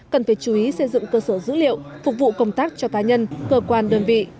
cần phải chú ý xây dựng cơ sở dữ liệu phục vụ công tác cho cá nhân cơ quan đơn vị